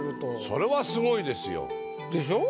それはすごいですよ。でしょ？